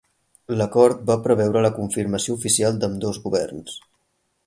L'acord va preveure la confirmació oficial d'ambdós governs.